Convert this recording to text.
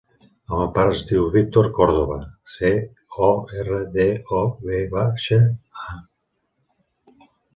El meu pare es diu Víctor Cordova: ce, o, erra, de, o, ve baixa, a.